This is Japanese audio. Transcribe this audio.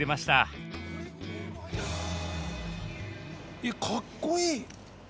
えかっこいい！